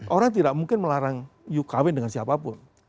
orang tidak mungkin melarang you kawin dengan siapapun